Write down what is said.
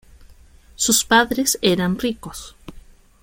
Sus padres eran ricos.